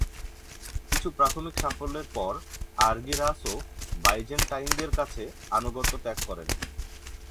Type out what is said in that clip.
কিছু প্রাথমিক সাফল্যের পর, আর্গিরাসও বাইজেন্টাইনদের কাছে আনুগত্য ত্যাগ করেন।